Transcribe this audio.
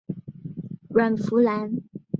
阮福澜。